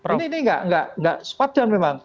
ini memang tidak sepatian